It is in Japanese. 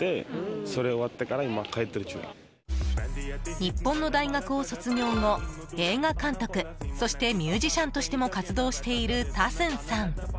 日本の大学を卒業後映画監督そして、ミュージシャンとしても活動しているタスンさん。